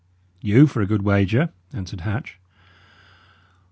"You, for a good wager," answered Hatch.